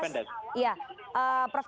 prof kadir memperpendek